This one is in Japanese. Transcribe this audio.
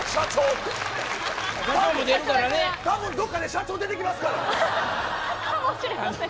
たぶんどこかで社長出てきますから。